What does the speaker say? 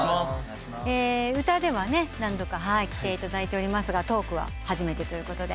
歌では何度か来ていただいておりますがトークは初めてということで。